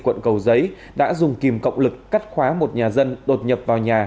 quận cầu giấy đã dùng kìm cộng lực cắt khóa một nhà dân đột nhập vào nhà